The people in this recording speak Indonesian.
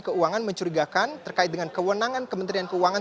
keuangan mencurigakan terkait dengan kewenangan kementerian keuangan